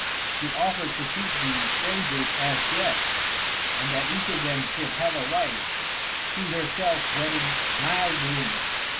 She offered to keep the strangers as guests, and that each of them should have a wife, she herself wedding Maelduin.